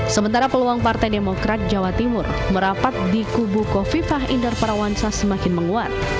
sementara peluang partai demokrat jawa timur merapat di kubu kofifah indar parawansa semakin menguat